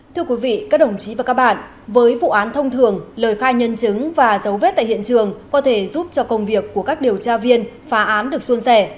thưa quý vị các đồng chí và các bạn với vụ án thông thường lời khai nhân chứng và dấu vết tại hiện trường có thể giúp cho công việc của các điều tra viên phá án được xuân rẻ